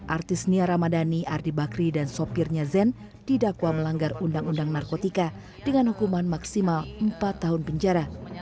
artis nia ramadhani ardi bakri dan sopirnya zen didakwa melanggar undang undang narkotika dengan hukuman maksimal empat tahun penjara